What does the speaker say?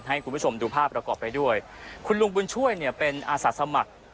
ให้คุณผู้ชมดูภาพประกอบไปด้วยคุณลุงบุญช่วยเนี่ยเป็นอาสาสมัคร